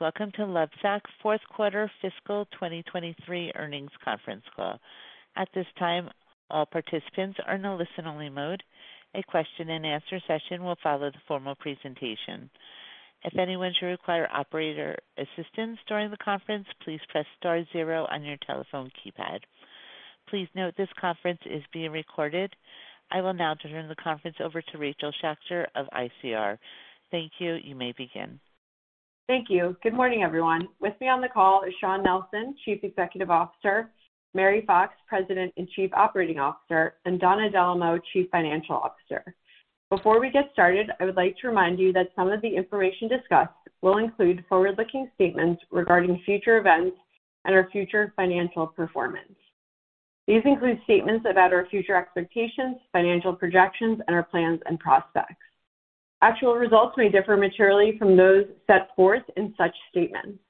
Welcome to Lovesac's Q4 fiscal 2023 earnings conference call. At this time, all participants are in a listen-only mode. A question-and-answer session will follow the formal presentation. If anyone should require operator assistance during the conference, please press star zero on your telephone keypad. Please note this conference is being recorded. I will now turn the conference over to Rachel Schacter of ICR. Thank you. You may begin. Thank you. Good morning, everyone. With me on the call is Shawn Nelson, Chief Executive Officer, Mary Fox, President and Chief Operating Officer, and Donna Dellomo, Chief Financial Officer. Before we get started, I would like to remind you that some of the information discussed will include forward-looking statements regarding future events and our future financial performance. These include statements about our future expectations, financial projections, and our plans and prospects. Actual results may differ materially from those set forth in such statements.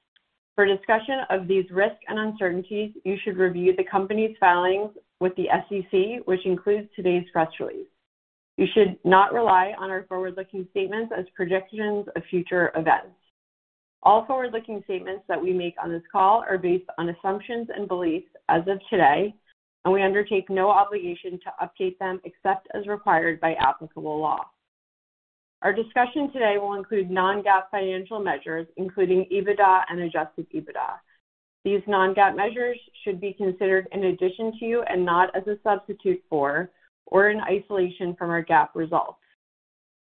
For discussion of these risks and uncertainties, you should review the company's filings with the SEC, which includes today's press release. You should not rely on our forward-looking statements as predictions of future events. All forward-looking statements that we make on this call are based on assumptions and beliefs as of today, and we undertake no obligation to update them except as required by applicable law. Our discussion today will include non-GAAP financial measures, including EBITDA and adjusted EBITDA. These non-GAAP measures should be considered in addition to, and not as a substitute for, or in isolation from, our GAAP results.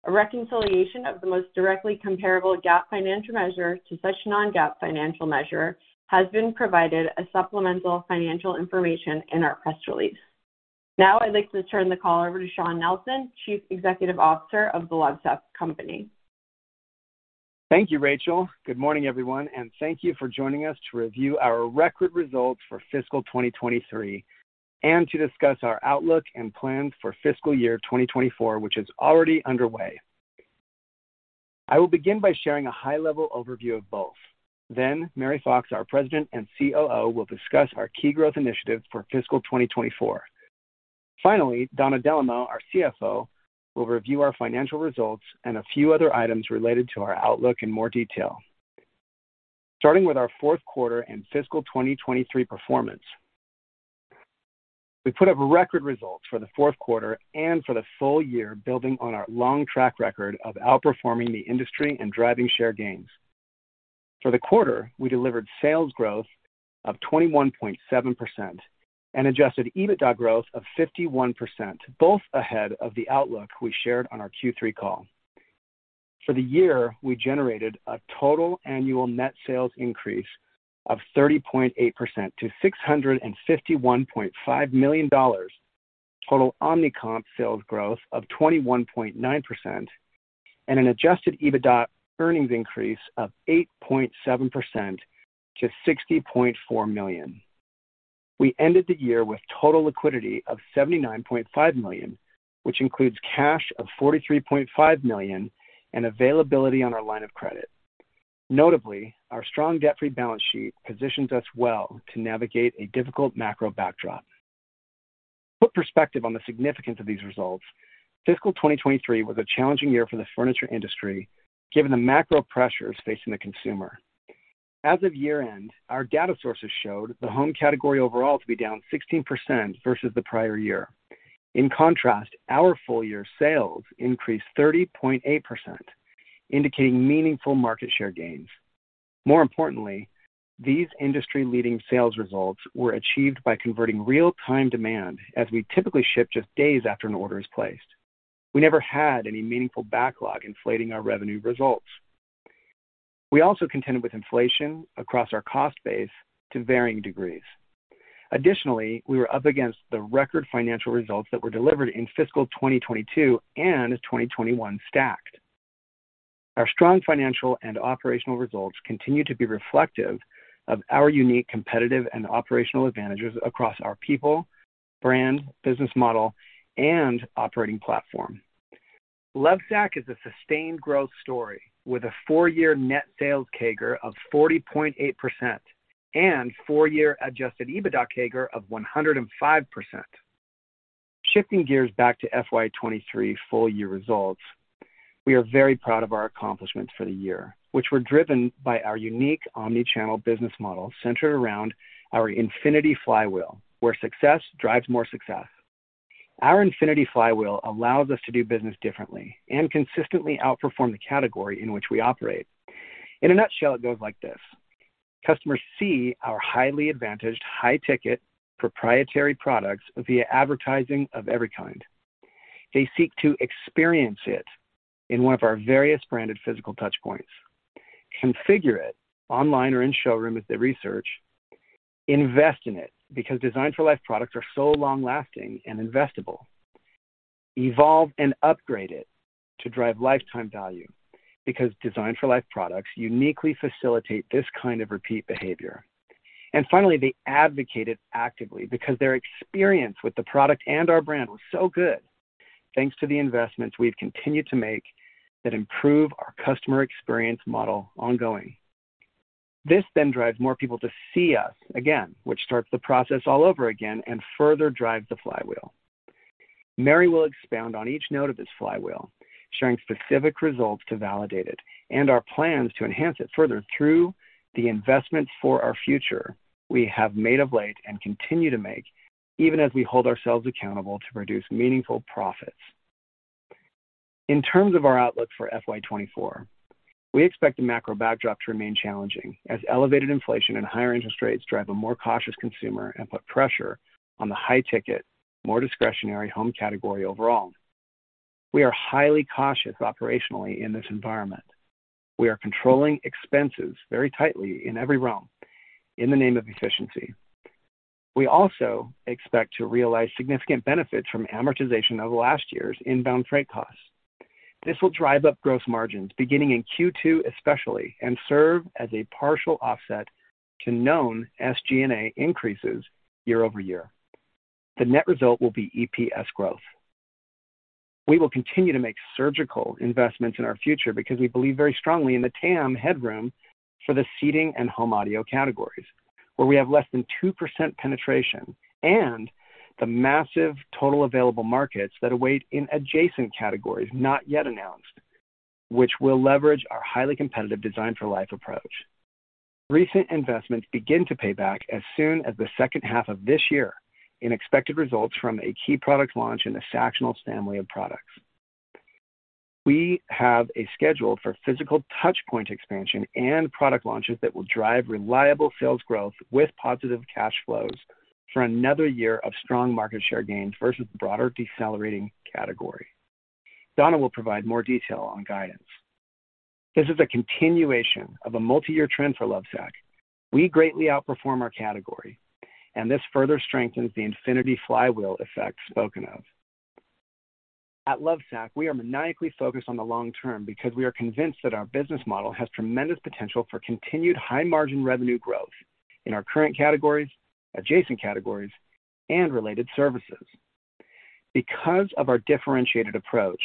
A reconciliation of the most directly comparable GAAP financial measure to such non-GAAP financial measure has been provided as supplemental financial information in our press release. I'd like to turn the call over to Shawn Nelson, Chief Executive Officer of The Lovesac Company. Thank you, Rachel. Good morning, everyone, and thank you for joining us to review our record results for fiscal 2023 and to discuss our outlook and plans for fiscal year 2024, which is already underway. I will begin by sharing a high-level overview of both. Mary Fox, our President and COO, will discuss our key growth initiatives for fiscal 2024. Finally, Donna Dellomo, our CFO, will review our financial results and a few other items related to our outlook in more detail. Starting with our Q4 and fiscal 2023 performance. We put up record results for the Q4 and for the full year, building on our long track record of outperforming the industry and driving share gains. For the quarter, we delivered sales growth of 21.7% and adjusted EBITDA growth of 51%, both ahead of the outlook we shared on our Q3 call. For the year, we generated a total annual net sales increase of 30.8% to $651.5 million, total omni-channel sales growth of 21.9%, and an adjusted EBITDA earnings increase of 8.7% to $60.4 million. We ended the year with total liquidity of $79.0 million, which includes cash of $43.5 million and availability on our line of credit. Notably, our strong debt-free balance sheet positions us well to navigate a difficult macro backdrop. To put perspective on the significance of these results, fiscal 2023 was a challenging year for the furniture industry, given the macro pressures facing the consumer. As of year-end, our data sources showed the home category overall to be down 16% versus the prior year. In contrast, our full-year sales increased 30.8%, indicating meaningful market share gains. More importantly, these industry-leading sales results were achieved by converting real-time demand, as we typically ship just days after an order is placed. We never had any meaningful backlog inflating our revenue results. We also contended with inflation across our cost base to varying degrees. Additionally, we were up against the record financial results that were delivered in fiscal 2022 and 2021 stacked. Our strong financial and operational results continue to be reflective of our unique competitive and operational advantages across our people, brand, business model, and operating platform. Lovesac is a sustained growth story with a four-year net sales CAGR of 40.8% and four-year adjusted EBITDA CAGR of 105%. Shifting gears back to FY 2023 full-year results, we are very proud of our accomplishments for the year, which were driven by our unique omni-channel business model centered around our infinity flywheel, where success drives more success. Our infinity flywheel allows us to do business differently and consistently outperform the category in which we operate. In a nutshell, it goes like this: customers see our highly advantaged, high-ticket proprietary products via advertising of every kind. They seek to experience it in one of our various branded physical touch points, configure it online or in showroom with the research, invest in it, because Designed-for-Life products are so long-lasting and investable, evolve and upgrade it to drive lifetime value, because Designed-for-Life products uniquely facilitate this kind of repeat behavior. Finally, they advocate it actively because their experience with the product and our brand was so good, thanks to the investments we've continued to make that improve our customer experience model ongoing. This drives more people to see us again, which starts the process all over again and further drives the flywheel. Mary will expound on each note of this flywheel, sharing specific results to validate it and our plans to enhance it further through the investments for our future we have made of late and continue to make, even as we hold ourselves accountable to produce meaningful profits. In terms of our outlook for FY 2024, we expect the macro backdrop to remain challenging as elevated inflation and higher interest rates drive a more cautious consumer and put pressure on the high ticket, more discretionary home category overall. We are highly cautious operationally in this environment. We are controlling expenses very tightly in every realm in the name of efficiency. We also expect to realize significant benefits from amortization of last year's inbound freight costs. This will drive up gross margins beginning in Q2 especially, and serve as a partial offset to known SG&A increases year-over-year. The net result will be EPS growth. We will continue to make surgical investments in our future because we believe very strongly in the TAM headroom for the seating and home audio categories, where we have less than 2% penetration and the massive total available markets that await in adjacent categories not yet announced, which will leverage our highly competitive Design for Life approach. Recent investments begin to pay back as soon as the second half of this year in expected results from a key product launch in the Sactionals family of products. We have a schedule for physical touchpoint expansion and product launches that will drive reliable sales growth with positive cash flows for another year of strong market share gains versus the broader decelerating category. Donna will provide more detail on guidance. This is a continuation of a multi-year trend for Lovesac. We greatly outperform our category, and this further strengthens the infinity flywheel effect spoken of. At Lovesac, we are maniacally focused on the long term because we are convinced that our business model has tremendous potential for continued high-margin revenue growth in our current categories, adjacent categories, and related services. Because of our differentiated approach,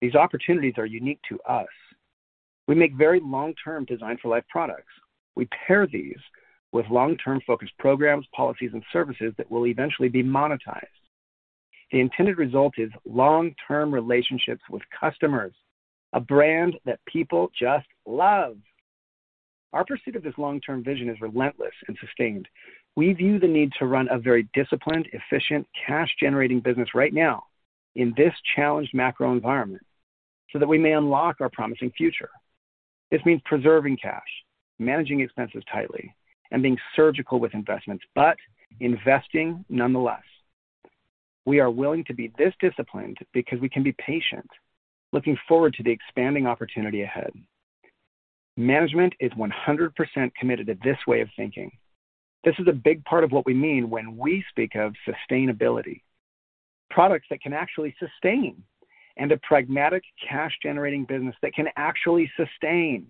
these opportunities are unique to us. We make very long-term Designed for Life products. We pair these with long-term focused programs, policies, and services that will eventually be monetized. The intended result is long-term relationships with customers, a brand that people just love. Our pursuit of this long-term vision is relentless and sustained. We view the need to run a very disciplined, efficient, cash-generating business right now in this challenged macro environment so that we may unlock our promising future. This means preserving cash, managing expenses tightly, and being surgical with investments, but investing nonetheless. We are willing to be this disciplined because we can be patient, looking forward to the expanding opportunity ahead. Management is 100% committed to this way of thinking. This is a big part of what we mean when we speak of sustainability. Products that can actually sustain, and a pragmatic cash-generating business that can actually sustain.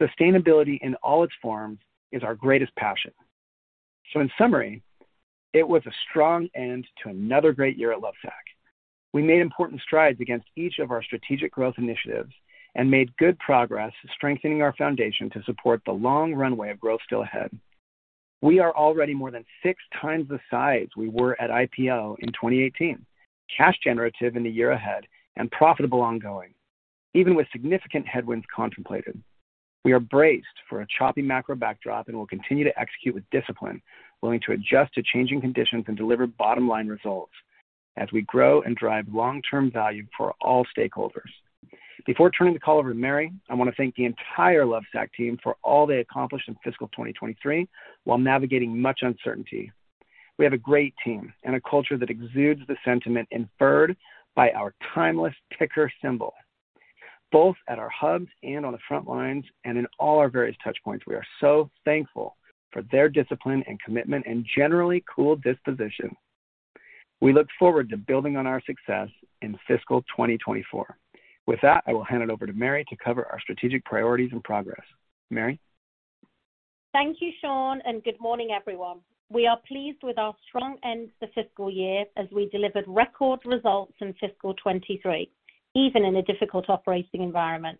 Sustainability in all its forms is our greatest passion. In summary, it was a strong end to another great year at Lovesac. We made important strides against each of our strategic growth initiatives and made good progress strengthening our foundation to support the long runway of growth still ahead. We are already more than 6x the size we were at IPO in 2018, cash generative in the year ahead, and profitable ongoing, even with significant headwinds contemplated. We are braced for a choppy macro backdrop and will continue to execute with discipline, willing to adjust to changing conditions and deliver bottom-line results as we grow and drive long-term value for all stakeholders. Before turning the call over to Mary, I want to thank the entire Lovesac team for all they accomplished in fiscal 2023 while navigating much uncertainty. We have a great team and a culture that exudes the sentiment inferred by our timeless ticker symbol. Both at our hubs and on the front lines and in all our various touch points, we are so thankful for their discipline and commitment and generally cool disposition. We look forward to building on our success in fiscal 2024. With that, I will hand it over to Mary to cover our strategic priorities and progress. Mary. Thank you, Shawn. Good morning, everyone. We are pleased with our strong end to fiscal year as we delivered record results in fiscal 2023, even in a difficult operating environment.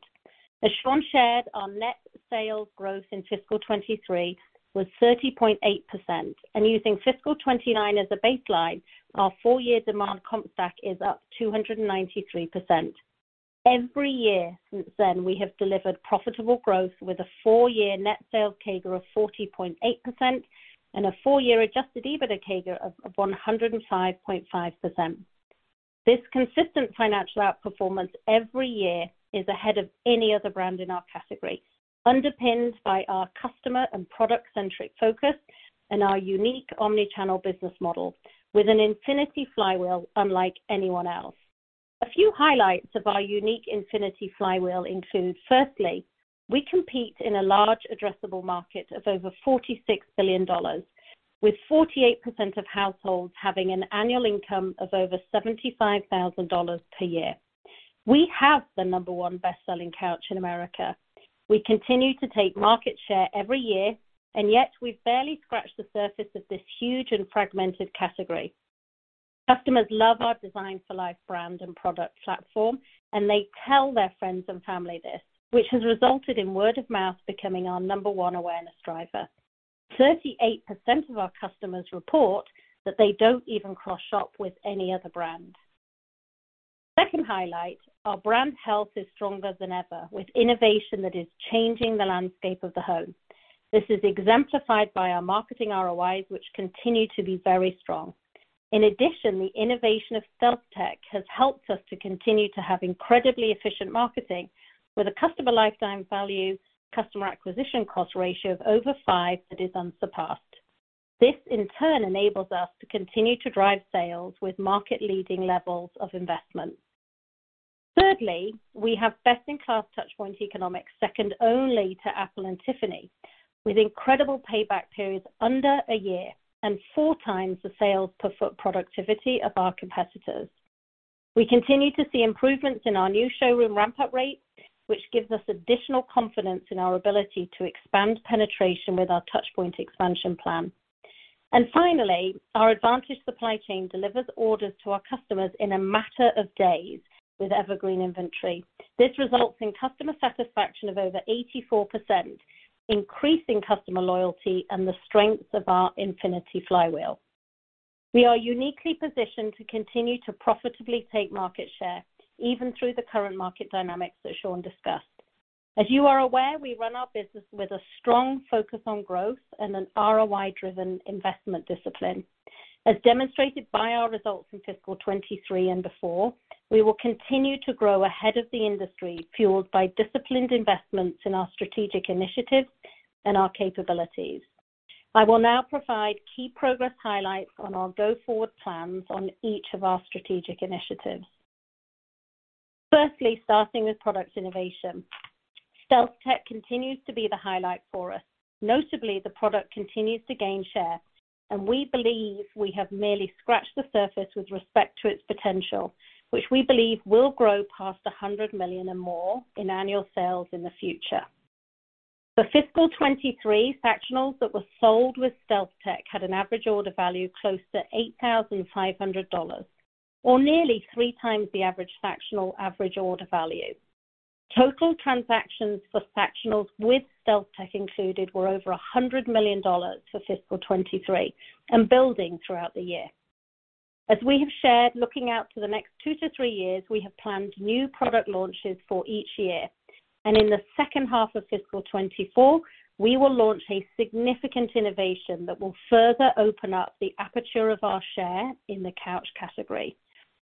As Shawn shared, our net sales growth in fiscal 2023 was 30.8%. Using fiscal 2029 as a baseline, our four-year demand comp stack is up 293%. Every year since then, we have delivered profitable growth with a four-year net sales CAGR of 40.8% and a four-year adjusted EBITDA CAGR of 105.5%. This consistent financial outperformance every year is ahead of any other brand in our category, underpinned by our customer and product-centric focus and our unique omni-channel business model with an infinity flywheel unlike anyone else. A few highlights of our unique infinity flywheel include, firstly, we compete in a large addressable market of over $46 billion, with 48% of households having an annual income of over $75,000 per year. We have the number one best-selling couch in America. Yet we've barely scratched the surface of this huge and fragmented category. Customers love our Designed for Life brand and product platform, and they tell their friends and family this, which has resulted in word of mouth becoming our number one awareness driver. 38% of our customers report that they don't even cross shop with any other brand. Second highlight, our brand health is stronger than ever, with innovation that is changing the landscape of the home. This is exemplified by our marketing ROIs, which continue to be very strong. In addition, the innovation of StealthTech has helped us to continue to have incredibly efficient marketing with a customer lifetime value, customer acquisition cost ratio of over five that is unsurpassed. This in turn enables us to continue to drive sales with market-leading levels of investment. Thirdly, we have best-in-class touchpoint economics, second only to Apple and Tiffany, with incredible payback periods under a year and 4x the sales per foot productivity of our competitors. We continue to see improvements in our new showroom ramp-up rates, which gives us additional confidence in our ability to expand penetration with our touchpoint expansion plan. Finally, our advantage supply chain delivers orders to our customers in a matter of days with evergreen inventory. This results in customer satisfaction of over 84%, increasing customer loyalty and the strengths of our infinity flywheel. We are uniquely positioned to continue to profitably take market share even through the current market dynamics that Shawn discussed. As you are aware, we run our business with a strong focus on growth and an ROI-driven investment discipline. As demonstrated by our results in fiscal 2023 and before, we will continue to grow ahead of the industry, fueled by disciplined investments in our strategic initiatives and our capabilities. I will now provide key progress highlights on our go-forward plans on each of our strategic initiatives. Firstly, starting with product innovation. StealthTech continues to be the highlight for us. Notably, the product continues to gain share, and we believe we have merely scratched the surface with respect to its potential, which we believe will grow past $100 million or more in annual sales in the future. For fiscal 2023, Sactionals that were sold with StealthTech had an average order value close to $8,500, or nearly 3x the average Sactional average order value. Total transactions for Sactionals with StealthTech included were over $100 million for fiscal 2023 and building throughout the year. As we have shared, looking out to the next two-three years, we have planned new product launches for each year. In the second half of fiscal 2024, we will launch a significant innovation that will further open up the aperture of our share in the couch category.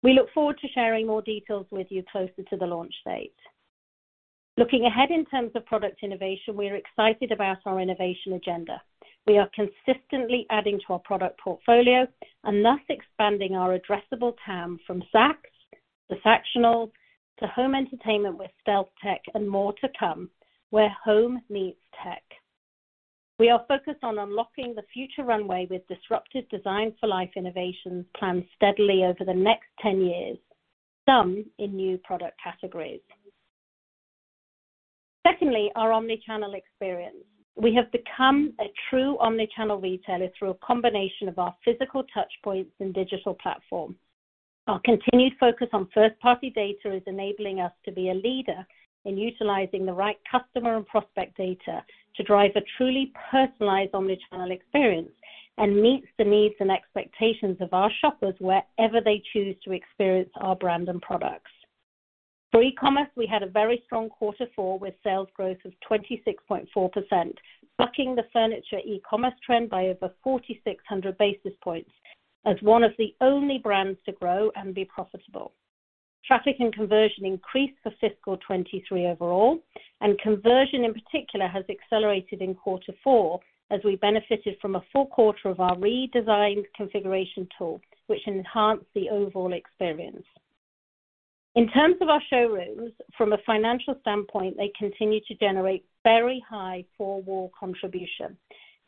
We look forward to sharing more details with you closer to the launch date. Looking ahead in terms of product innovation, we are excited about our innovation agenda. We are consistently adding to our product portfolio and thus expanding our addressable TAM from Sacs to Sactionals to home entertainment with StealthTech and more to come, where home meets tech. We are focused on unlocking the future runway with disruptive Designed for Life innovations planned steadily over the next 10 years, some in new product categories. Secondly, our omni-channel experience. We have become a true omni-channel retailer through a combination of our physical touchpoints and digital platform. Our continued focus on 1st-party data is enabling us to be a leader in utilizing the right customer and prospect data to drive a truly personalized omni-channel experience and meets the needs and expectations of our shoppers wherever they choose to experience our brand and products. For e-commerce, we had a very strong Q4 with sales growth of 26.4%, bucking the furniture e-commerce trend by over 4,600 basis points as one of the only brands to grow and be profitable. Traffic and conversion increased for fiscal 2023 overall, and conversion, in particular, has accelerated in Q4 as we benefited from a full quarter of our redesigned configuration tool, which enhanced the overall experience. In terms of our showrooms, from a financial standpoint, they continue to generate very high Four-Wall Contribution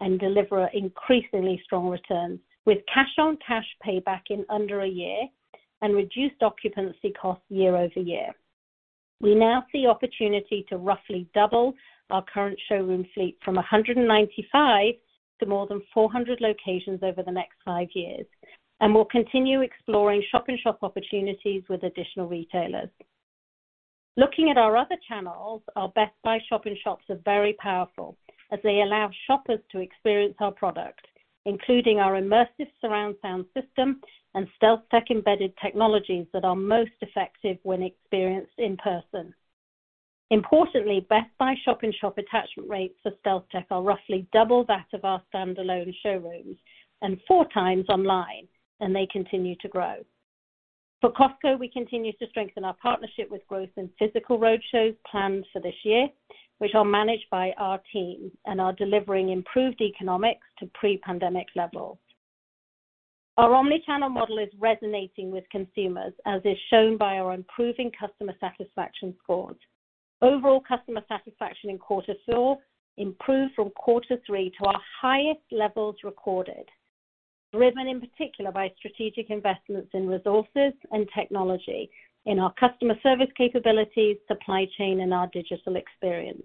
and deliver increasingly strong returns with cash-on-cash payback in under a year and reduced occupancy costs year-over-year. We now see opportunity to roughly double our current showroom fleet from 195 to more than 400 locations over the next five years, and we'll continue exploring shop-in-shop opportunities with additional retailers. Looking at our other channels, our Best Buy shop-in-shops are very powerful as they allow shoppers to experience our product, including our immersive surround sound system and StealthTech embedded technologies that are most effective when experienced in person. Importantly, Best Buy shop-in-shop attachment rates for StealthTech are roughly double that of our standalone showrooms and 4x online. They continue to grow. For Costco, we continue to strengthen our partnership with growth in physical road shows planned for this year, which are managed by our team and are delivering improved economics to pre-pandemic levels. Our omni-channel model is resonating with consumers, as is shown by our improving customer satisfaction scores. Overall customer satisfaction in Q4 improved from Q3 to our highest levels recorded, driven in particular by strategic investments in resources and technology in our customer service capabilities, supply chain, and our digital experience.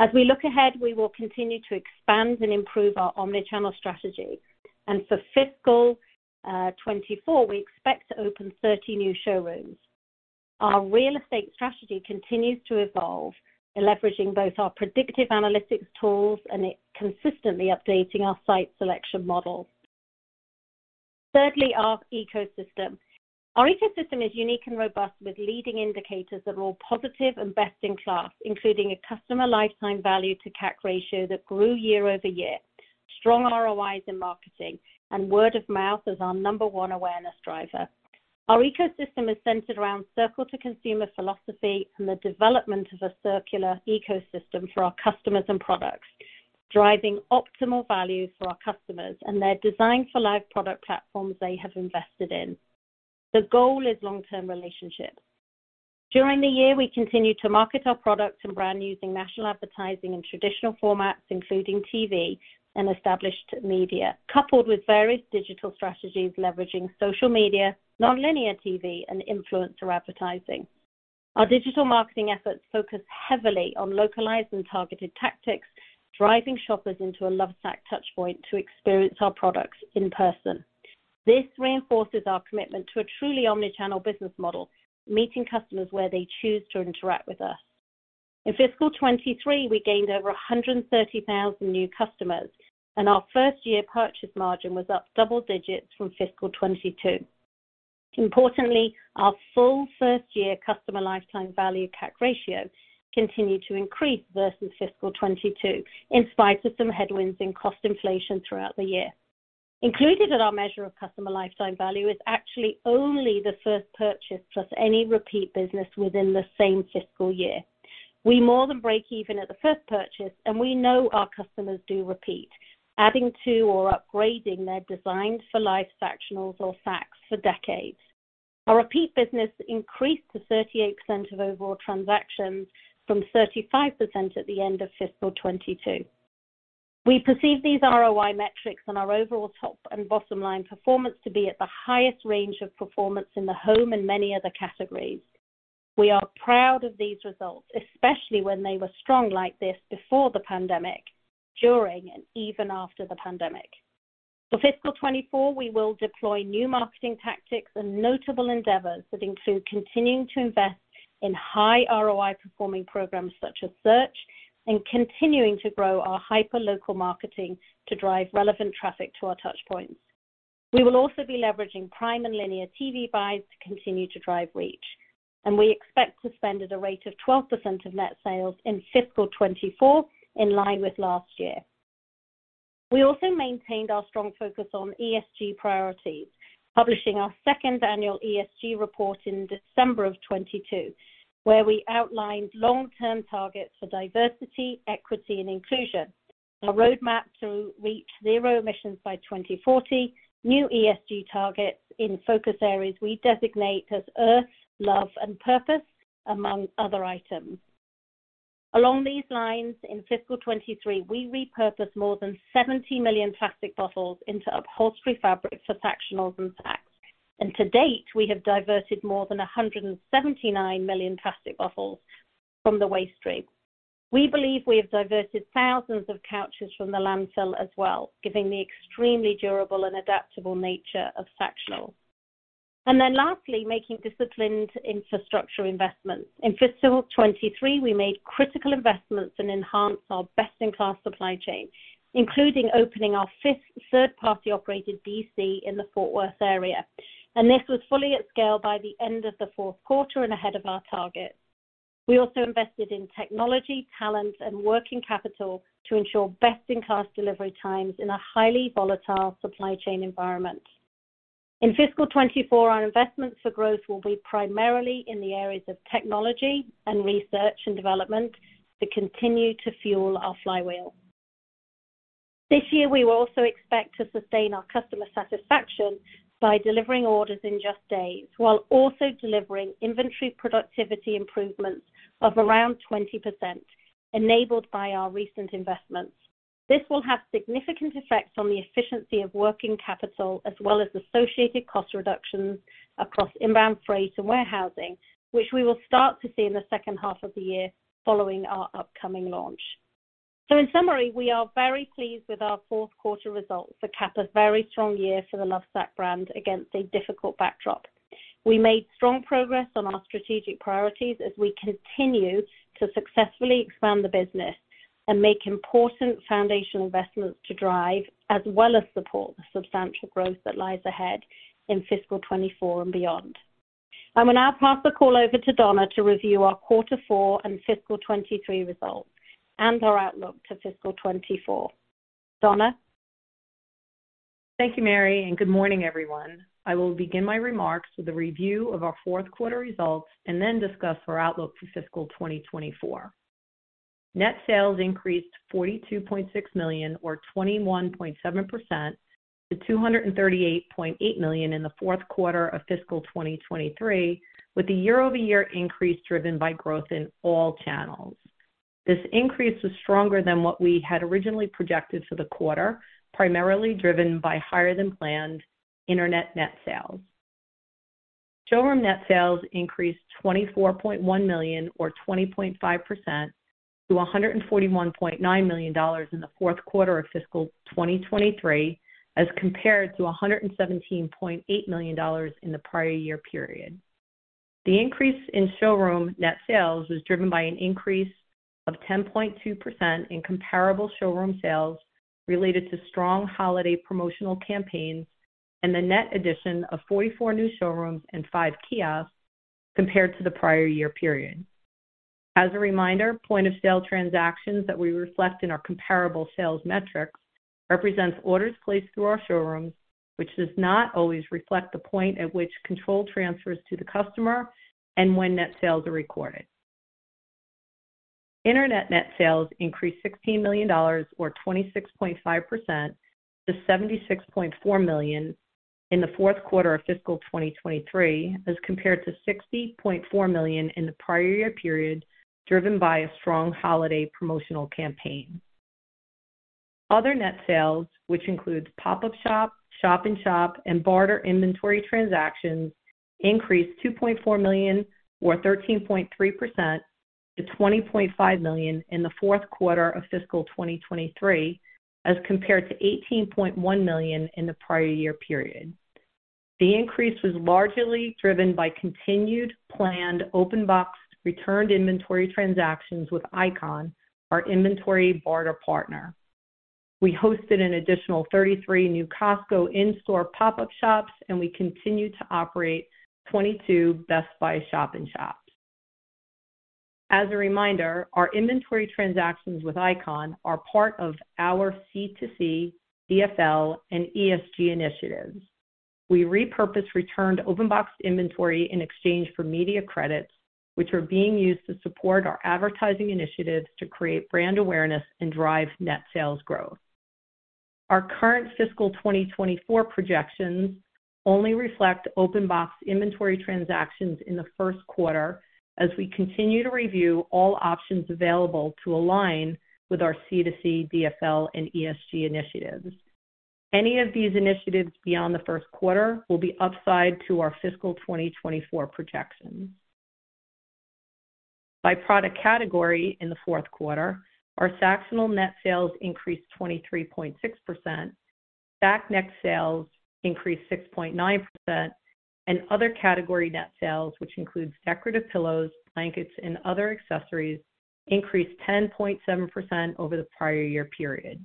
As we look ahead, we will continue to expand and improve our omni-channel strategy. For fiscal 2024, we expect to open 30 new showrooms. Our real estate strategy continues to evolve in leveraging both our predictive analytics tools and it consistently updating our site selection model. Thirdly, our ecosystem. Our ecosystem is unique and robust, with leading indicators that are all positive and best in class, including a customer lifetime value to CAC ratio that grew year-over-year. Strong ROIs in marketing, word of mouth is our number one awareness driver. Our ecosystem is centered around Circle to Consumer philosophy and the development of a circular ecosystem for our customers and products, driving optimal value for our customers and their Designed for Life product platforms they have invested in. The goal is long-term relationships. During the year, we continued to market our products and brand using national advertising and traditional formats, including TV and established media, coupled with various digital strategies leveraging social media, nonlinear TV, and influencer advertising. Our digital marketing efforts focus heavily on localized and targeted tactics, driving shoppers into a Lovesac touch point to experience our products in person. This reinforces our commitment to a truly omni-channel business model, meeting customers where they choose to interact with us. In fiscal 2023, we gained over 130,000 new customers, and our 1st-year purchase margin was up double digits from fiscal 2022. Importantly, our full 1st-year customer lifetime value CAC ratio continued to increase versus fiscal 2022, in spite of some headwinds in cost inflation throughout the year. Included in our measure of customer lifetime value is actually only the 1st purchase plus any repeat business within the same fiscal year. We more than break even at the 1st purchase, and we know our customers do repeat, adding to or upgrading their Designed for Life Sactionals or Sacs for decades. Our repeat business increased to 38% of overall transactions from 35% at the end of fiscal 2022. We perceive these ROI metrics on our overall top and bottom line performance to be at the highest range of performance in the home and many other categories. We are proud of these results, especially when they were strong like this before the pandemic, during, and even after the pandemic. For fiscal 2024, we will deploy new marketing tactics and notable endeavors that include continuing to invest in high ROI-performing programs such as search and continuing to grow our hyperlocal marketing to drive relevant traffic to our touchpoints. We will also be leveraging prime and linear TV buys to continue to drive reach. We expect to spend at a rate of 12% of net sales in fiscal 2024, in line with last year. We also maintained our strong focus on ESG priorities, publishing our second annual ESG report in December of 2022, where we outlined long-term targets for diversity, equity, and inclusion. Our roadmap to reach zero emissions by 2040, new ESG targets in focus areas we designate as Earth, Love, and Purpose, among other items. Along these lines, in fiscal 2023, we repurposed more than 70 million plastic bottles into upholstery fabric for Sactionals and Sacs. To date, we have diverted more than 179 million plastic bottles from the waste stream. We believe we have diverted thousands of couches from the landfill as well, giving the extremely durable and adaptable nature of Sactionals. Lastly, making disciplined infrastructure investments. In fiscal 2023, we made critical investments and enhanced our best in class supply chain, including opening our fifth third-party operated DC in the Fort Worth area. This was fully at scale by the end of the Q4 and ahead of our target. We also invested in technology, talent and working capital to ensure best in class delivery times in a highly volatile supply chain environment. In fiscal 2024, our investments for growth will be primarily in the areas of technology and research and development to continue to fuel our flywheel. This year, we will also expect to sustain our customer satisfaction by delivering orders in just days, while also delivering inventory productivity improvements of around 20% enabled by our recent investments. This will have significant effects on the efficiency of working capital as well as associated cost reductions across inbound freight and warehousing, which we will start to see in the second half of the year following our upcoming launch. In summary, we are very pleased with our Q4 results to cap a very strong year for the Lovesac brand against a difficult backdrop. We made strong progress on our strategic priorities as we continue to successfully expand the business and make important foundational investments to drive as well as support the substantial growth that lies ahead in fiscal 2024 and beyond. I will now pass the call over to Donna to review our Q4 and fiscal 2023 results and our outlook to fiscal 2024. Donna? Thank you, Mary, and good morning, everyone. I will begin my remarks with a review of our Q4 results and then discuss our outlook for fiscal 2024. Net sales increased $42.6 million or 21.7% to $238.8 million in the Q4 of fiscal 2023, with the year-over-year increase driven by growth in all channels. This increase was stronger than what we had originally projected for the quarter, primarily driven by higher than planned internet net sales. Showroom net sales increased $24.1 million or 20.5% to $141.9 million in the Q4 of fiscal 2023, as compared to $117.8 million in the prior year period. The increase in showroom net sales was driven by an increase of 10.2% in comparable showroom sales related to strong holiday promotional campaigns and the net addition of 44 new showrooms and 5 kiosks compared to the prior year period. As a reminder, point-of-sale transactions that we reflect in our comparable sales metrics represents orders placed through our showrooms, which does not always reflect the point at which control transfers to the customer and when net sales are recorded. Internet net sales increased $16 million, or 26.5% to $76.4 million in the Q4 of fiscal 2023, as compared to $60.4 million in the prior year period, driven by a strong holiday promotional campaign. Other net sales, which includes pop-up shop-in-shop, and barter inventory transactions, increased $2.4 million or 13.3% to $20.5 million in the Q4 of fiscal 2023, as compared to $18.1 million in the prior year period. The increase was largely driven by continued planned open box returned inventory transactions with Icon, our inventory barter partner. We hosted an additional 33 new Costco in-store pop-up shops, we continued to operate 22 Best Buy shop-in-shops. As a reminder, our inventory transactions with Icon are part of our C2C, DFL, and ESG initiatives. We repurpose returned open box inventory in exchange for media credits, which are being used to support our advertising initiatives to create brand awareness and drive net sales growth. Our current fiscal 2024 projections only reflect open box inventory transactions in the Q1 as we continue to review all options available to align with our C2C, DFL, and ESG initiatives. Any of these initiatives beyond the Q1 will be upside to our fiscal 2024 projections. By product category in the Q4, our Sactionals net sales increased 23.6%, Sacs net sales increased 6.9%, and other category net sales, which includes decorative pillows, blankets, and other accessories, increased 10.7% over the prior year period.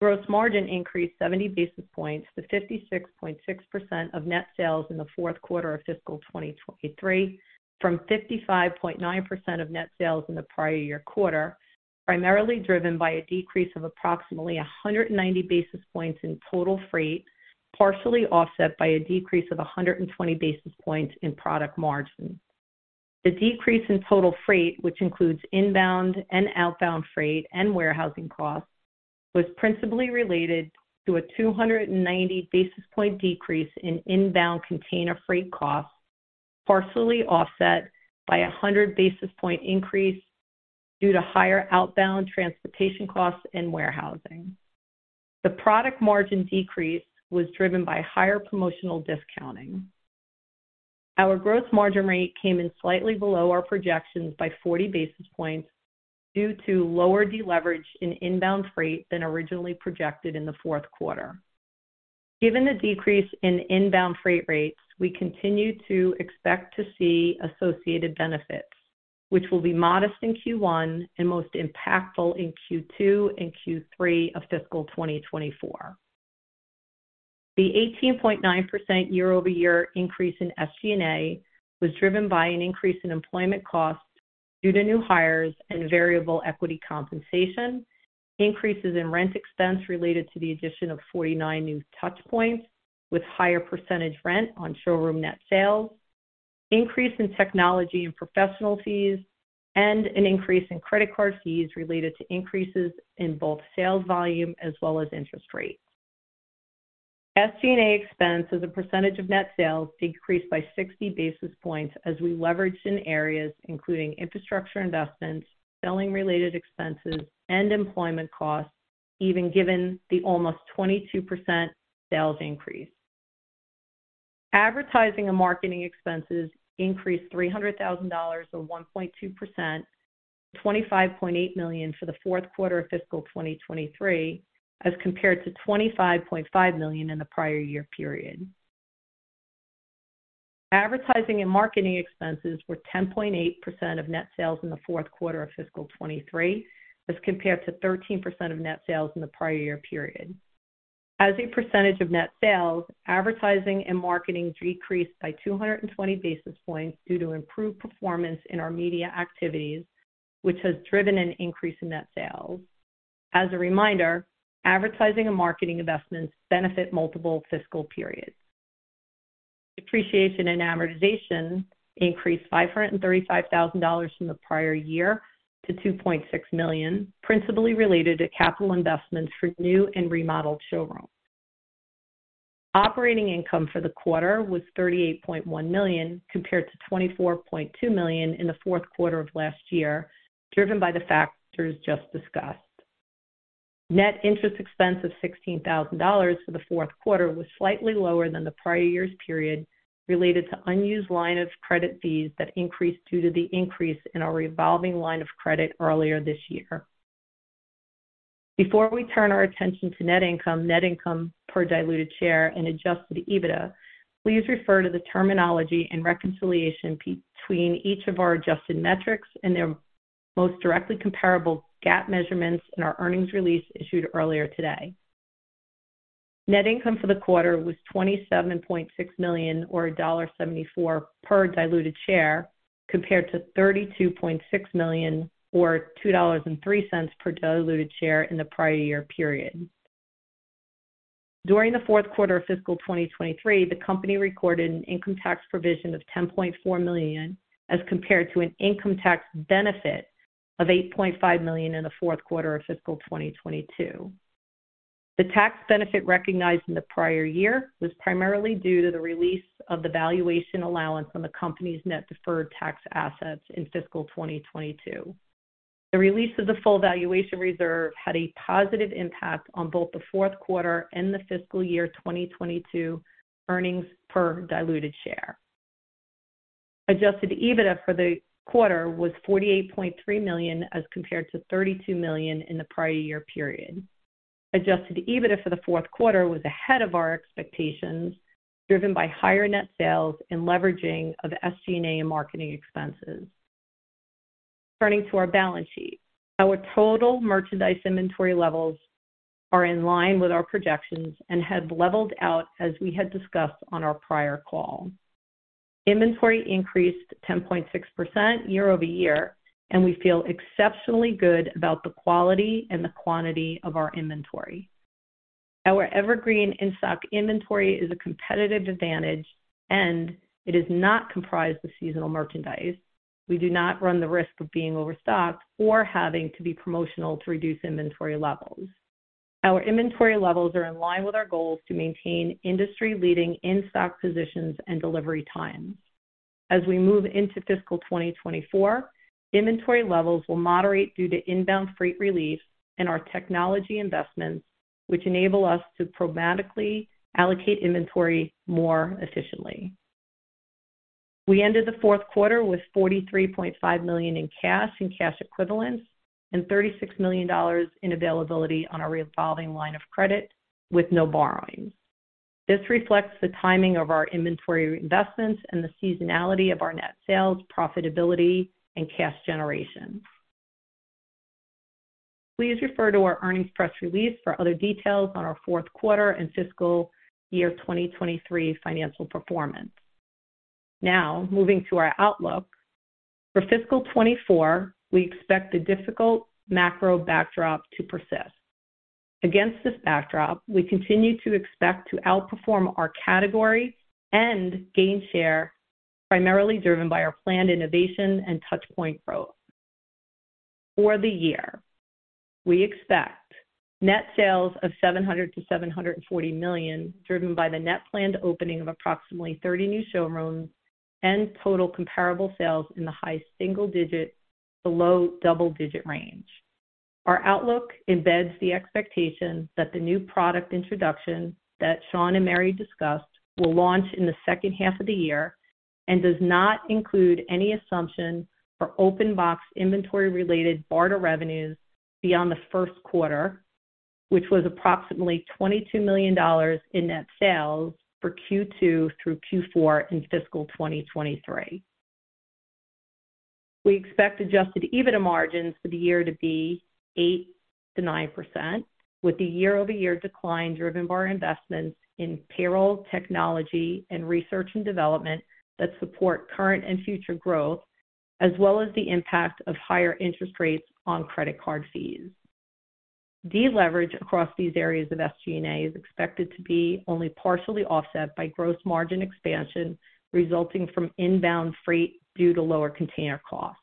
Gross margin increased 70 basis points to 56.6% of net sales in the Q4 of fiscal 2023 from 55.9% of net sales in the prior year quarter, primarily driven by a decrease of approximately 190 basis points in total freight, partially offset by a decrease of 120 basis points in product margin. The decrease in total freight, which includes inbound and outbound freight and warehousing costs, was principally related to a 290 basis point decrease in inbound container freight costs, partially offset by a 100 basis point increase due to higher outbound transportation costs and warehousing. The product margin decrease was driven by higher promotional discounting. Our gross margin rate came in slightly below our projections by 40 basis points due to lower deleverage in inbound freight than originally projected in the Q4. Given the decrease in inbound freight rates, we continue to expect to see associated benefits, which will be modest in Q1 and most impactful in Q2 and Q3 of fiscal 2024. The 18.9% year-over-year increase in SG&A was driven by an increase in employment costs due to new hires and variable equity compensation, increases in rent expense related to the addition of 49 new touch points with higher percentage rent on showroom net sales, increase in technology and professional fees, and an increase in credit card fees related to increases in both sales volume as well as interest rates. SG&A expense as a percentage of net sales decreased by 60 basis points as we leveraged in areas including infrastructure investments, selling-related expenses, and employment costs even given the almost 22% sales increase. Advertising and marketing expenses increased $300,000 or 1.2% to $25.8 million for the Q4 of fiscal 2023, as compared to $25.5 million in the prior year period. Advertising and marketing expenses were 10.8% of net sales in the Q4 of fiscal 2023, as compared to 13% of net sales in the prior year period. As a percentage of net sales, advertising and marketing decreased by 220 basis points due to improved performance in our media activities, which has driven an increase in net sales. As a reminder, advertising and marketing investments benefit multiple fiscal periods. Depreciation and amortization increased $535,000 from the prior year to $2.6 million, principally related to capital investments for new and remodeled showrooms. Operating income for the quarter was $38.1 million compared to $24.2 million in the Q4 of last year, driven by the factors just discussed. Net interest expense of $16,000 for the Q4 was slightly lower than the prior year's period related to unused line of credit fees that increased due to the increase in our revolving line of credit earlier this year. Before we turn our attention to net income, net income per diluted share, and adjusted EBITDA, please refer to the terminology and reconciliation between each of our adjusted metrics and their most directly comparable GAAP measurements in our earnings release issued earlier today. Net income for the quarter was $27.6 million or $1.74 per diluted share, compared to $32.6 million or $2.03 per diluted share in the prior year period. During the Q4 of fiscal 2023, the company recorded an income tax provision of $10.4 million, as compared to an income tax benefit of $8.5 million in the Q4 of fiscal 2022. The tax benefit recognized in the prior year was primarily due to the release of the valuation allowance on the company's net deferred tax assets in fiscal 2022. The release of the full valuation reserve had a positive impact on both the Q4 and the fiscal year 2022 earnings per diluted share. Adjusted EBITDA for the quarter was $48.3 million, as compared to $32 million in the prior year period. Adjusted EBITDA for the Q4 was ahead of our expectations, driven by higher net sales and leveraging of SG&A and marketing expenses. Turning to our balance sheet. Our total merchandise inventory levels are in line with our projections and have leveled out as we had discussed on our prior call. Inventory increased 10.6% year-over-year, and we feel exceptionally good about the quality and the quantity of our inventory. Our evergreen in-stock inventory is a competitive advantage, and it is not comprised of seasonal merchandise. We do not run the risk of being overstocked or having to be promotional to reduce inventory levels. Our inventory levels are in line with our goals to maintain industry-leading in-stock positions and delivery times. As we move into fiscal 2024, inventory levels will moderate due to inbound freight relief and our technology investments, which enable us to programmatically allocate inventory more efficiently. We ended the Q4 with $43.5 million in cash and cash equivalents and $36 million in availability on our revolving line of credit with no borrowings. This reflects the timing of our inventory investments and the seasonality of our net sales, profitability, and cash generation. Please refer to our earnings press release for other details on our Q4 and fiscal year 2023 financial performance. Moving to our outlook. For fiscal 2024, we expect the difficult macro backdrop to persist. Against this backdrop, we continue to expect to outperform our category and gain share, primarily driven by our planned innovation and touchpoint growth. For the year, we expect net sales of $700 million-$740 million, driven by the net planned opening of approximately 30 new showrooms and total comparable sales in the high single-digit to low double-digit range. Our outlook embeds the expectation that the new product introduction that Shawn and Mary discussed will launch in the second half of the year and does not include any assumption for open box inventory-related barter revenues beyond the Q1, which was approximately $22 million in net sales for Q2 through Q4 in fiscal 2023. We expect adjusted EBITDA margins for the year to be 8%-9%, with the year-over-year decline driven by our investments in payroll, technology, and research and development that support current and future growth, as well as the impact of higher interest rates on credit card fees. Deleveraged across these areas of SG&A is expected to be only partially offset by gross margin expansion resulting from inbound freight due to lower container costs.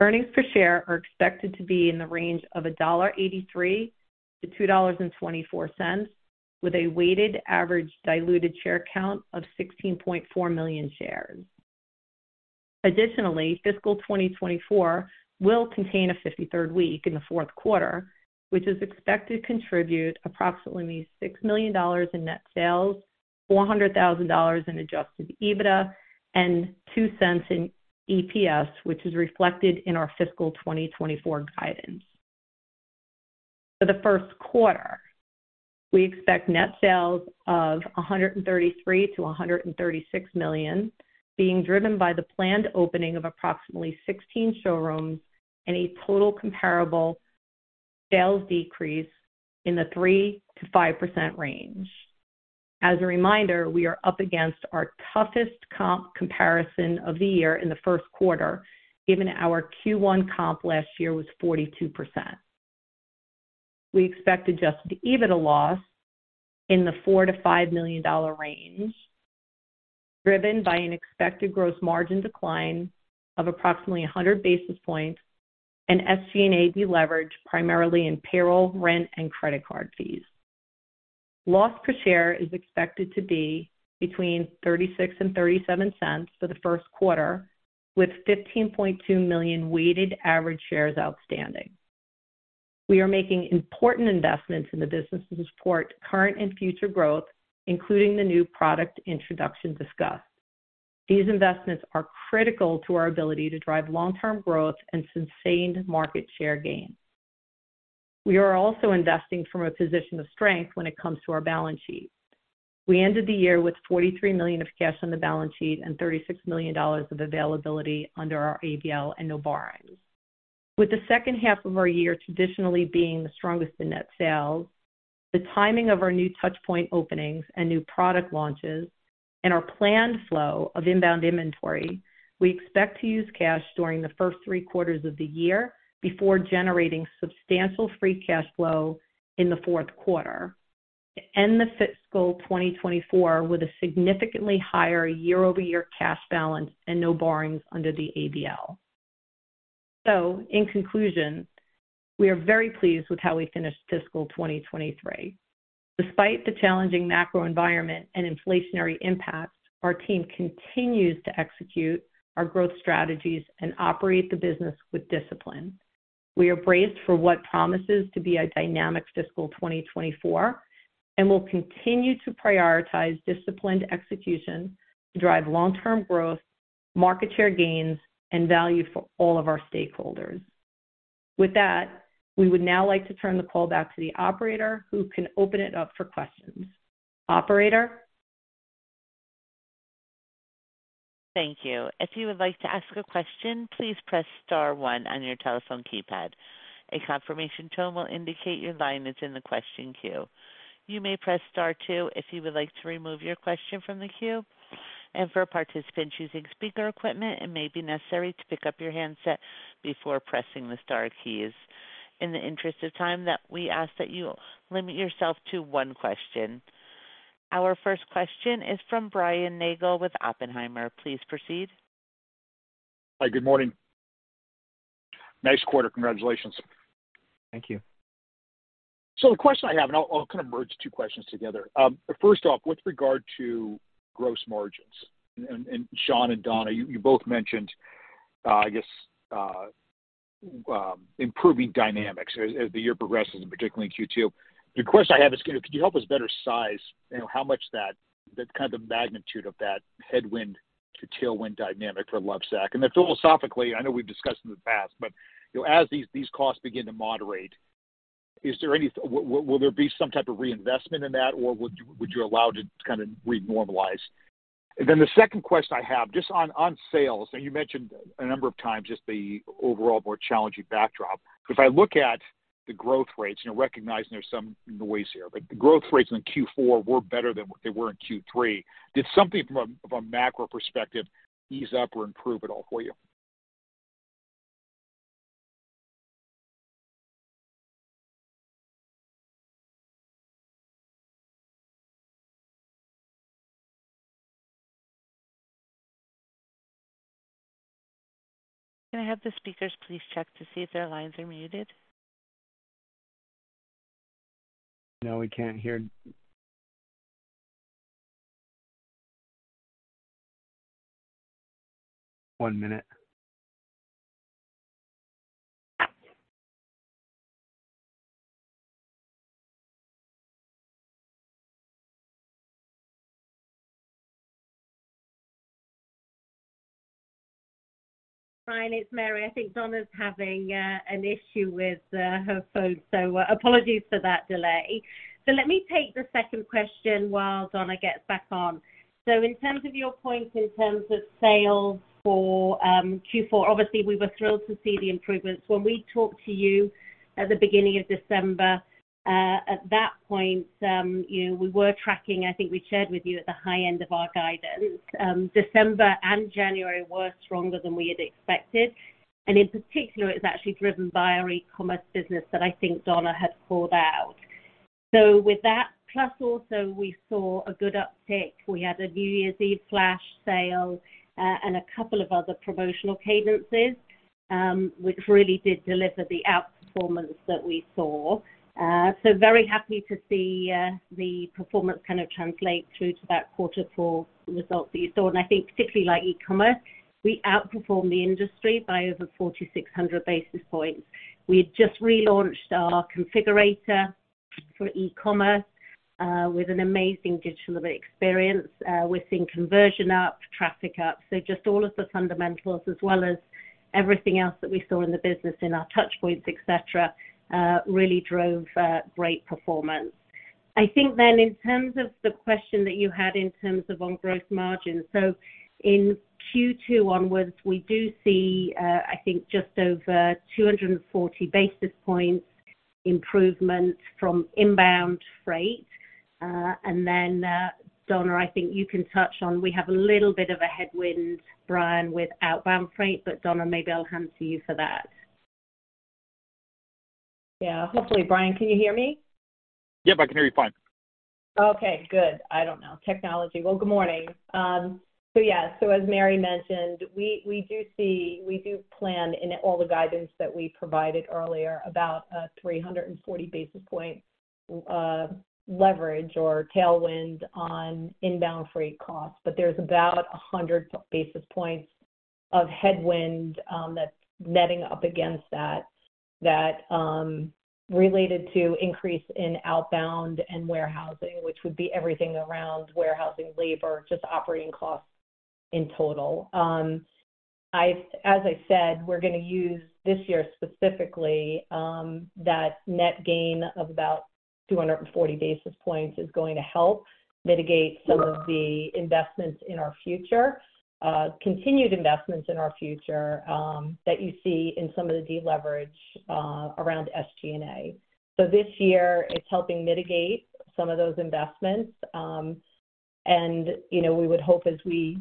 Earnings per share are expected to be in the range of $1.83-$2.24, with a weighted average diluted share count of 16.4 million shares. Additionally, fiscal 2024 will contain a 53rd week in the Q4, which is expected to contribute approximately $6 million in net sales, $400,000 in adjusted EBITDA, and $0.02 in EPS, which is reflected in our fiscal 2024 guidance. For the Q1, we expect net sales of $133 million-$136 million, being driven by the planned opening of approximately 16 showrooms and a total comparable sales decrease in the 3%-5% range. As a reminder, we are up against our toughest comp comparison of the year in the Q1, given our Q1 comp last year was 42%. We expect adjusted EBITDA loss in the $4 million-$5 million range, driven by an expected gross margin decline of approximately 100 basis points and SG&A deleverage primarily in payroll, rent, and credit card fees. Loss per share is expected to be between $0.36-$0.37 for the Q1, with 15.2 million weighted average shares outstanding. We are making important investments in the business to support current and future growth, including the new product introduction discussed. These investments are critical to our ability to drive long-term growth and sustained market share gains. We are also investing from a position of strength when it comes to our balance sheet. We ended the year with $43 million of cash on the balance sheet and $36 million of availability under our ABL and no borrowings. With the second half of our year traditionally being the strongest in net sales, the timing of our new touch point openings and new product launches, and our planned flow of inbound inventory, we expect to use cash during the 1st three quarters of the year before generating substantial free cash flow in the Q4 to end the fiscal 2024 with a significantly higher year-over-year cash balance and no borrowings under the ABL. In conclusion, we are very pleased with how we finished fiscal 2023. Despite the challenging macro environment and inflationary impacts, our team continues to execute our growth strategies and operate the business with discipline. We are braced for what promises to be a dynamic fiscal 2024. We'll continue to prioritize disciplined execution to drive long-term growth, market share gains, and value for all of our stakeholders. With that, we would now like to turn the call back to the operator who can open it up for questions. Operator? Thank you. If you would like to ask a question, please press star one on your telephone keypad. A confirmation tone will indicate your line is in the question queue. You may press Star two if you would like to remove your question from the queue. For participants using speaker equipment, it may be necessary to pick up your handset before pressing the star keys. In the interest of time that we ask that you limit yourself to one question. Our 1st question is from Brian Nagel with Oppenheimer. Please proceed. Hi, good morning. Nice quarter. Congratulations. Thank you. The question I have, and I'll kind of merge two questions together. First off, with regard to gross margins, and Shawn and Donna, you both mentioned, I guess, improving dynamics as the year progresses and particularly in Q2. The question I have is, you know, could you help us better size, you know, how much that, the kind of the magnitude of that headwind to tailwind dynamic for Lovesac? Philosophically, I know we've discussed in the past, but, you know, as these costs begin to moderate, will there be some type of reinvestment in that, or would you allow to kind of renormalize? The second question I have just on sales, and you mentioned a number of times just the overall more challenging backdrop. I look at the growth rates, you know, recognizing there's some noise here. The growth rates in Q4 were better than what they were in Q3. Did something from a macro perspective ease up or improve at all for you? Can I have the speakers please check to see if their lines are muted? No, we can't hear. One minute. Brian, it's Mary. I think Donna's having an issue with her phone. Apologies for that delay. Let me take the second question while Donna gets back on. In terms of your point in terms of sales for Q4, obviously we were thrilled to see the improvements. When we talked to you at the beginning of December, at that point, you know, we were tracking, I think we shared with you at the high end of our guidance. December and January were stronger than we had expected, and in particular, it was actually driven by our e-commerce business that I think Donna had called out. With that plus also we saw a good uptick. We had a New Year's Eve flash sale, and a couple of other promotional cadences, which really did deliver the outperformance that we saw. Very happy to see the performance kind of translate through to that Q4 results that you saw. I think particularly like e-commerce, we outperformed the industry by over 4,600 basis points. We had just relaunched our configurator for e-commerce, with an amazing digital experience. We're seeing conversion up, traffic up. Just all of the fundamentals as well as everything else that we saw in the business, in our touch points, et cetera, really drove great performance. I think in terms of the question that you had in terms of on growth margin. In Q2 onwards, we do see, I think just over 240 basis points improvement from inbound freight. Donna, I think you can touch on, we have a little bit of a headwind, Brian, with outbound freight, but Donna, maybe I'll hand to you for that. Hopefully. Brian, can you hear me? Yep, I can hear you fine. Okay, good. I don't know, technology. Well, good morning. Yeah, as Mary mentioned, we do plan in all the guidance that we provided earlier. About 340 basis points leverage or tailwind on inbound freight costs. There's about 100 basis points of headwind that's netting up against that related to increase in outbound and warehousing, which would be everything around warehousing, labor, just operating costs in total. As I said, we're gonna use this year specifically, that net gain of about 240 basis points is going to help mitigate some of the investments in our future, continued investments in our future that you see in some of the deleverage around SG&A. This year, it's helping mitigate some of those investments, and, you know, we would hope as we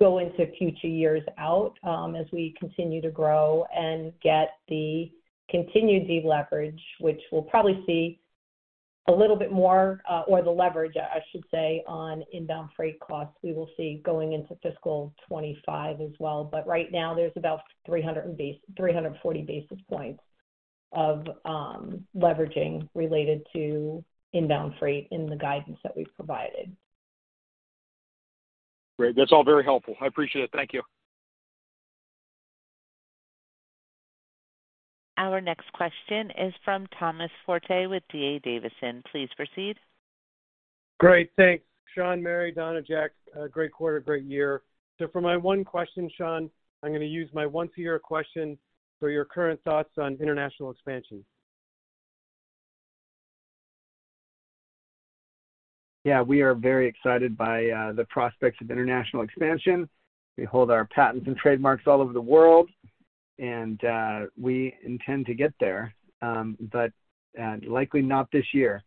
go into future years out, as we continue to grow and get the continued deleverage, which we'll probably see a little bit more, or the leverage, I should say, on inbound freight costs, we will see going into fiscal 2025 as well. Right now, there's about 340 basis points of leveraging related to inbound freight in the guidance that we've provided. Great. That's all very helpful. I appreciate it. Thank you. Our next question is from Thomas Forte with D.A. Davidson. Please proceed. Great. Thanks. Shawn, Mary, Donna, Jack, great quarter, great year. For my one question, Shawn, I'm gonna use my once a year question for your current thoughts on international expansion. Yeah, we are very excited by the prospects of international expansion. We hold our patents and trademarks all over the world, we intend to get there, but likely not this year.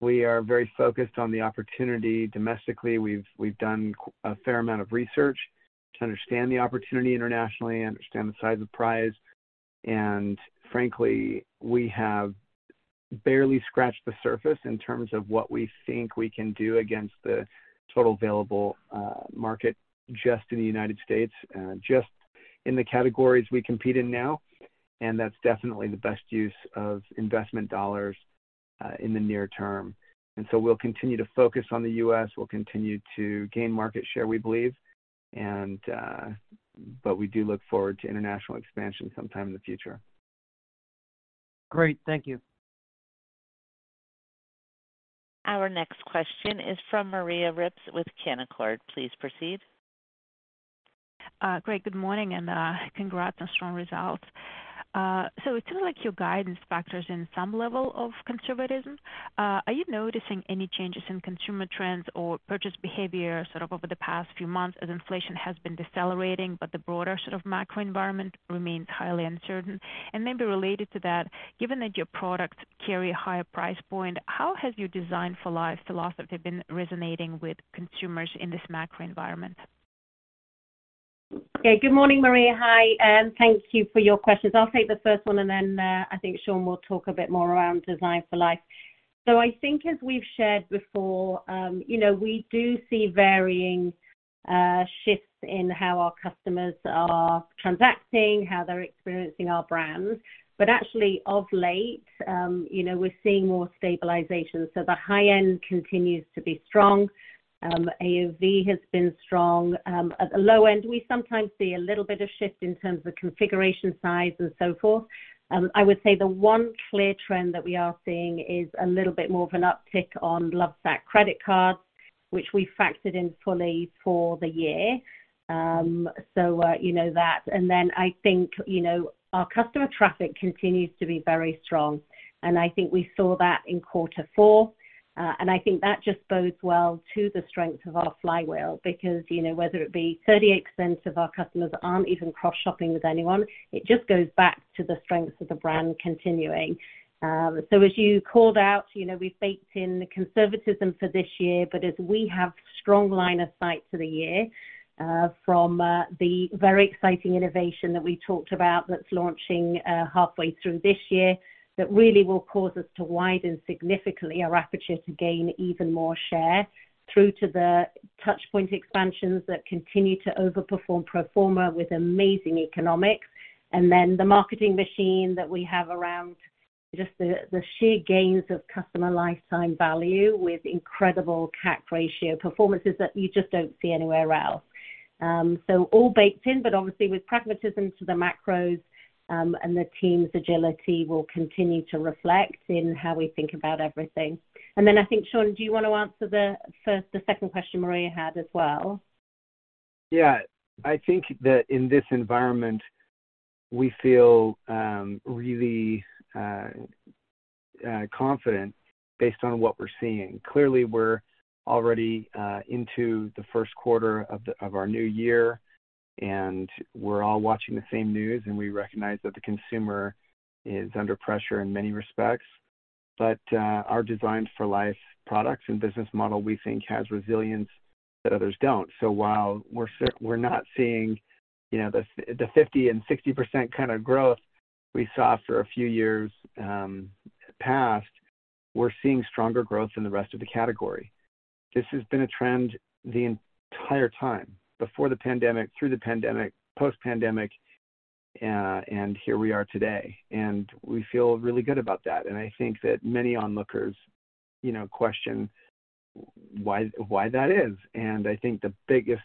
We are very focused on the opportunity domestically. We've done a fair amount of research to understand the opportunity internationally and understand the size of prize. Frankly, we have barely scratched the surface in terms of what we think we can do against the total available market just in the United States, just in the categories we compete in now. That's definitely the best use of investment dollars in the near term. We'll continue to focus on the U.S. We'll continue to gain market share, we believe. We do look forward to international expansion sometime in the future. Great. Thank you. Our next question is from Maria Ripps with Canaccord. Please proceed. Great. Good morning, and congrats on strong results. It sounds like your guidance factors in some level of conservatism. Are you noticing any changes in consumer trends or purchase behavior sort of over the past few months as inflation has been decelerating, but the broader sort of macro environment remains highly uncertain? Maybe related to that, given that your products carry a higher price point, how has your Designed for Life philosophy been resonating with consumers in this macro environment? Okay. Good morning, Maria. Hi, thank you for your questions. I'll take the first one, then I think Shawn will talk a bit more around Designed for Life. I think as we've shared before, you know, we do see varying shifts in how our customers are transacting, how they're experiencing our brands. Actually, of late, you know, we're seeing more stabilization. The high end continues to be strong. AOV has been strong. At the low end, we sometimes see a little bit of shift in terms of configuration size and so forth. I would say the one clear trend that we are seeing is a little bit more of an uptick on Lovesac credit cards, which we factored in fully for the year. You know that. I think, you know, our customer traffic continues to be very strong. I think we saw that in Q4. I think that just bodes well to the strength of our flywheel because, you know, whether it be 38% of our customers aren't even cross-shopping with anyone, it just goes back to the strengths of the brand continuing. As you called out, you know, we baked in conservatism for this year, but as we have strong line of sight for the year, from the very exciting innovation that we talked about that's launching halfway through this year, that really will cause us to widen significantly our aperture to gain even more share through to the touch point expansions that continue to overperform pro forma with amazing economics. The marketing machine that we have around just the sheer gains of customer lifetime value with incredible CAC ratio performances that you just don't see anywhere else. All baked in, but obviously with pragmatism to the macros, and the team's agility will continue to reflect in how we think about everything. I think, Shawn, do you wanna answer the second question Maria had as well? Yeah. I think that in this environment, we feel really confident based on what we're seeing. Clearly, we're already into the Q1 of our new year, and we're all watching the same news, and we recognize that the consumer is under pressure in many respects. Our Designed for Life products and business model, we think, has resilience that others don't. While we're not seeing, you know, the 50% and 60% kinda growth we saw for a few years past, we're seeing stronger growth than the rest of the category. This has been a trend the entire time. Before the pandemic, through the pandemic, post-pandemic, here we are today. We feel really good about that. I think that many onlookers, you know, question why that is. I think the biggest,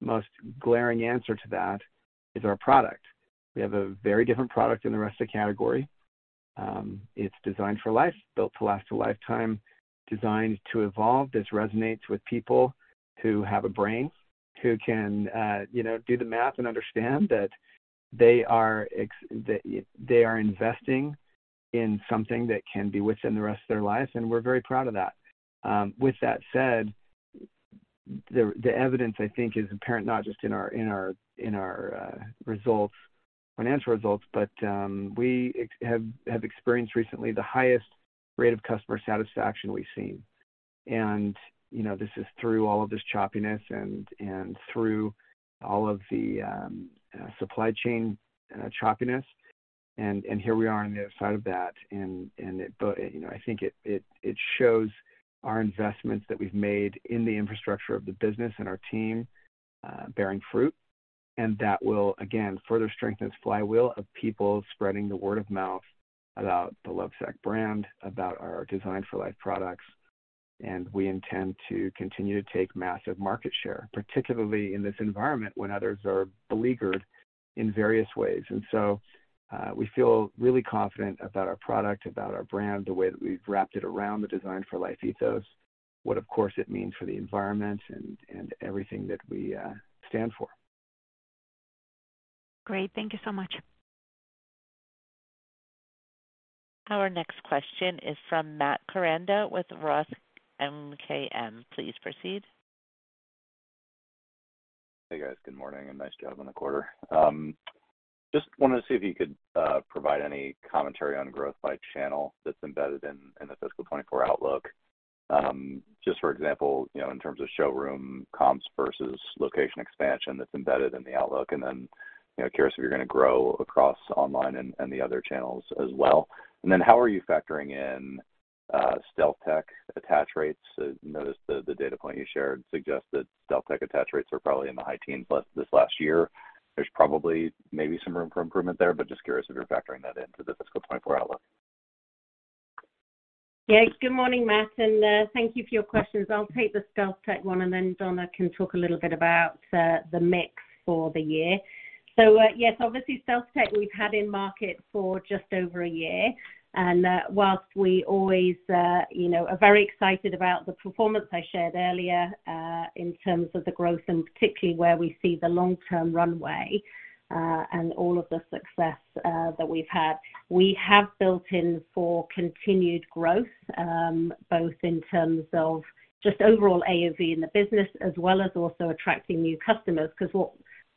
most glaring answer to that is our product. We have a very different product than the rest of the category. It's Designed for Life, built to last a lifetime, designed to evolve. This resonates with people who have a brain, who can, you know, do the math and understand that they are investing in something that can be with them the rest of their lives, and we're very proud of that. With that said, the evidence I think is apparent not just in our results, financial results, but, we have experienced recently the highest rate of customer satisfaction we've seen. You know, this is through all of this choppiness and through all of the, supply chain, choppiness. Here we are on the other side of that and, you know, I think it shows our investments that we've made in the infrastructure of the business and our team, bearing fruit. That will, again, further strengthen this flywheel of people spreading the word-of-mouth about the Lovesac brand, about our Designed for Life products. We intend to continue to take massive market share, particularly in this environment when others are beleaguered in various ways. So, we feel really confident about our product, about our brand, the way that we've wrapped it around the Designed for Life ethos, what of course it means for the environment and everything that we stand for. Great. Thank you so much. Our next question is from Matt Koranda with ROTH MKM. Please proceed. Hey, guys. Good morning, and nice job on the quarter. Just wanted to see if you could provide any commentary on growth by channel that's embedded in the fiscal 2024 outlook. Just for example, you know, in terms of showroom comps versus location expansion that's embedded in the outlook. Curious if you're gonna grow across online and the other channels as well. How are you factoring in StealthTech attach rates? I noticed the data point you shared suggests that StealthTech attach rates are probably in the high teens this last year. There's probably maybe some room for improvement there, but just curious if you're factoring that into the fiscal 2024 outlook. Yeah. Good morning, Matt, and thank you for your questions. I'll take the StealthTech one, and then Donna can talk a little bit about the mix for the year. Yes, obviously, StealthTech we've had in market for just over a year. Whilst we always, you know, are very excited about the performance I shared earlier, in terms of the growth, and particularly where we see the long-term runway, and all of the success that we've had. We have built in for continued growth, both in terms of just overall AOV in the business as well as also attracting new customers.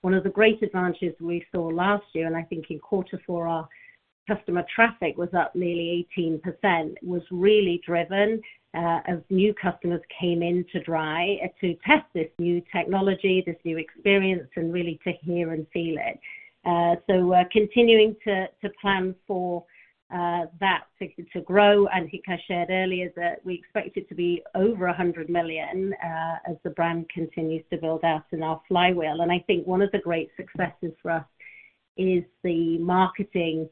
One of the great advantages we saw last year, I think in Q4 our customer traffic was up nearly 18%, was really driven as new customers came in to try to test this new technology, this new experience, and really to hear and feel it. We're continuing to plan for that to grow. Hika shared earlier that we expect it to be over $100 million as the brand continues to build out in our flywheel. I think one of the great successes for us is the marketing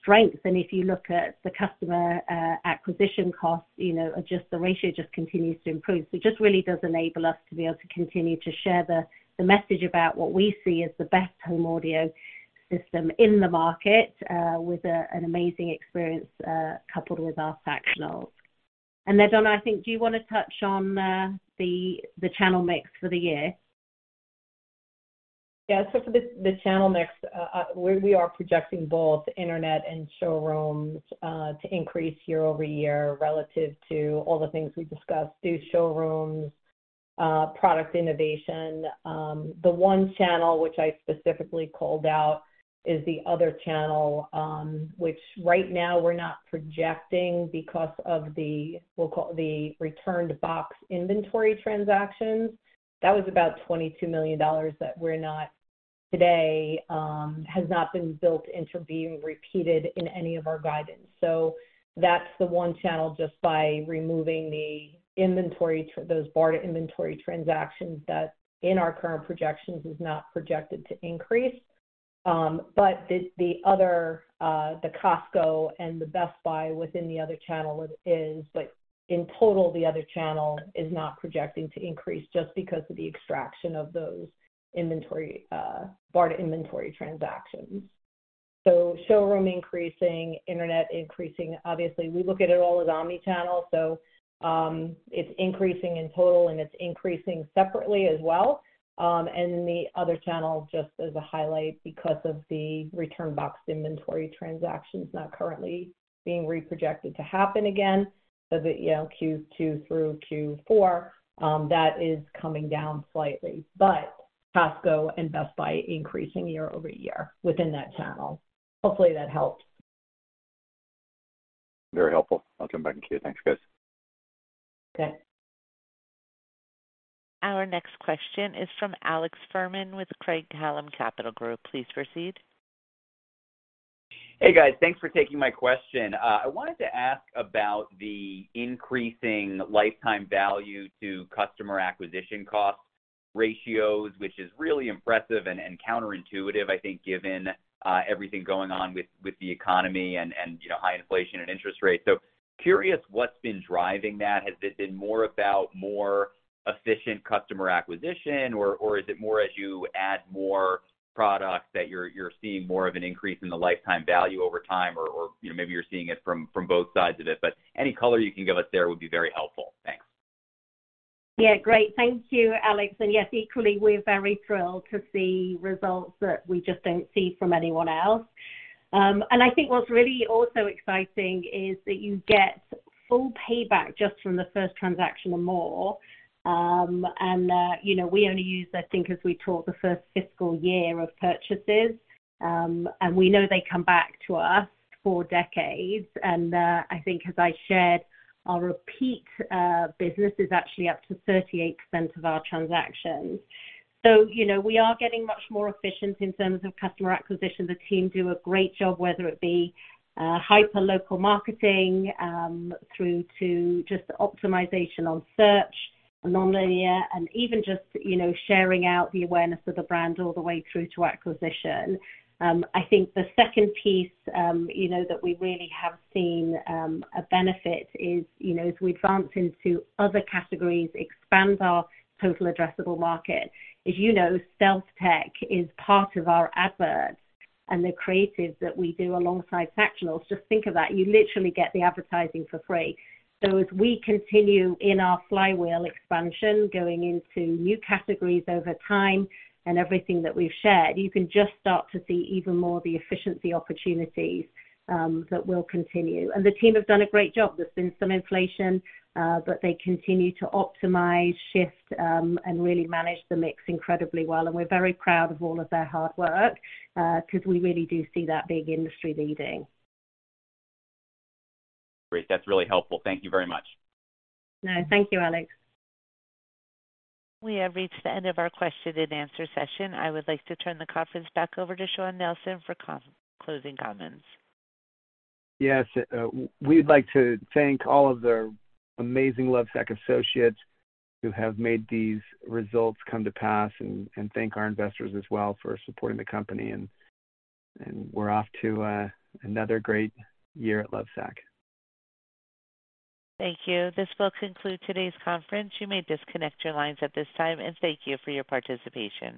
strength. If you look at the customer acquisition costs, you know, just the ratio just continues to improve. It just really does enable us to be able to continue to share the message about what we see as the best home audio system in the market, with an amazing experience, coupled with our Sactionals. Donna, I think, do you wanna touch on the channel mix for the year? Yeah. For the channel mix, we are projecting both internet and showrooms to increase year-over-year relative to all the things we've discussed, through showrooms, product innovation. The one channel which I specifically called out is the other channel, which right now we're not projecting because of the returned box inventory transactions. That was about $22 million that today has not been built into being repeated in any of our guidance. That's the one channel, just by removing the inventory, those barter inventory transactions, that in our current projections is not projected to increase. The other, the Costco and the Best Buy within the other channel is... In total, the other channel is not projecting to increase just because of the extraction of those inventory, barter inventory transactions. Showroom increasing, internet increasing. Obviously, we look at it all as omni-channel, so it's increasing in total, and it's increasing separately as well. The other channel, just as a highlight because of the return box inventory transactions not currently being reprojected to happen again. So the, you know, Q2 through Q4, that is coming down slightly. Costco and Best Buy increasing year-over-year within that channel. Hopefully, that helped. Very helpful. I'll come back in queue. Thanks, guys. Okay. Our next question is from Alex Fuhrman with Craig-Hallum Capital Group. Please proceed. Hey guys, thanks for taking my question. I wanted to ask about the increasing lifetime value to customer acquisition cost ratios, which is really impressive and counterintuitive, I think, given everything going on with the economy and, you know, high inflation and interest rates. Curious what's been driving that? Has it been more about more efficient customer acquisition or is it more as you add more products that you're seeing more of an increase in the lifetime value over time or, you know, maybe you're seeing it from both sides of it? Any color you can give us there would be very helpful. Thanks. Yeah. Great. Thank you, Alex. Yes, equally, we're very thrilled to see results that we just don't see from anyone else. I think what's really also exciting is that you get full payback just from the 1st transaction or more. You know, we only use, I think as we talk, the 1st fiscal year of purchases, and we know they come back to us for decades. I think as I shared, our repeat business is actually up to 38% of our transactions. You know, we are getting much more efficient in terms of customer acquisition. The team do a great job, whether it be, hyper local marketing, through to just optimization on search, nonlinear and even just, you know, sharing out the awareness of the brand all the way through to acquisition. I think the second piece, you know, that we really have seen a benefit is, you know, as we advance into other categories, expand our total addressable market. As you know, StealthTech is part of our adverts and the creatives that we do alongside Sactionals. Just think of that. You literally get the advertising for free. As we continue in our flywheel expansion, going into new categories over time and everything that we've shared, you can just start to see even more the efficiency opportunities, that will continue. The team have done a great job. There's been some inflation, but they continue to optimize, shift, and really manage the mix incredibly well. We're very proud of all of their hard work, 'cause we really do see that being industry-leading. Great. That's really helpful. Thank you very much. No, thank you, Alex. We have reached the end of our question and answer session. I would like to turn the conference back over to Shawn Nelson for closing comments. Yes. We'd like to thank all of the amazing Lovesac associates who have made these results come to pass, and thank our investors as well for supporting the company. We're off to another great year at Lovesac. Thank you. This will conclude today's conference. You may disconnect your lines at this time and thank you for your participation.